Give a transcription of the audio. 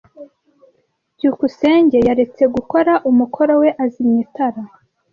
byukusenge yaretse gukora umukoro we azimya itara.